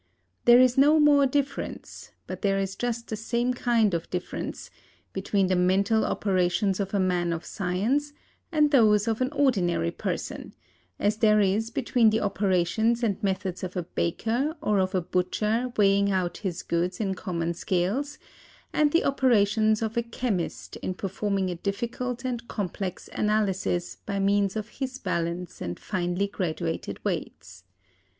There is no more difference, but there is just the same kind of difference, between the mental operations of a man of science and those of an ordinary person, as there is between the operations and methods of a baker or of a butcher weighing out his goods in common scales, and the operations of a chemist in performing a difficult and complex analysis by means of his balance and finely graduated weights.